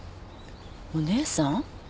お姉さん？